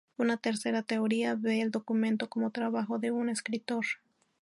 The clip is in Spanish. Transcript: Una tercera teoría ve el documento como trabajo de un escritor.